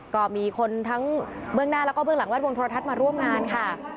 ก็มีคนทั้งเบื้องหน้าแล้วก็เบื้องหลังแวดวงโทรทัศน์มาร่วมงานค่ะ